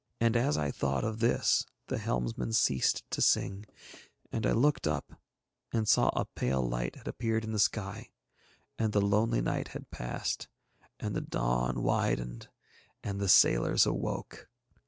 And as I thought of this the helmsman ceased to sing, and I looked up and saw a pale light had appeared in the sky, and the lonely night had passed; and the dawn widened, and the sailors awoke.